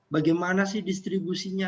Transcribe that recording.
bagaimana sih distribusinya